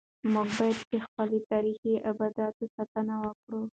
موږ باید د خپلو تاریخي ابداتو ساتنه وکړو.